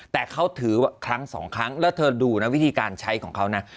แต่เขาถือครั้งสองครั้งแล้วเธอดูนะวิธีการใช้ของเขานะ